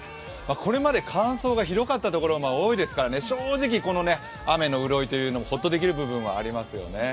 これまで乾燥がひどかった所が多かったですからね、正直、雨の潤いというのはほっとできる部分はありますよね。